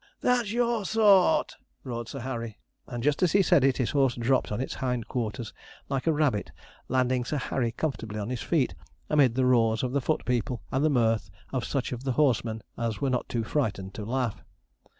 'That's your sort!' roared Sir Harry, and just as he said it, his horse dropped on his hind quarters like a rabbit, landing Sir Harry comfortably on his feet, amid the roars of the foot people, and the mirth of such of the horsemen as were not too frightened to laugh.